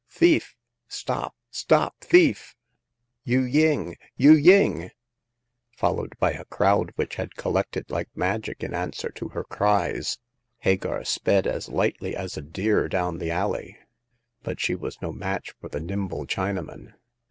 "Thief ! stop— stop thief ! Yu ying ! Yu ying !" Followed by a crowd, which had collected like magic in answer to her cries, Hagar sped as Hghtly as a deer down the alley. But she was no match for the nimble Chinaman.